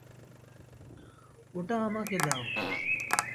ওটা আমাকে দাও।